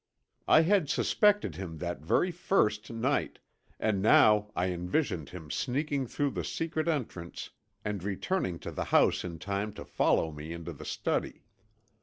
I had suspected him that very first night, and now I envisioned him sneaking through the secret entrance and returning to the house in time to follow me into the study.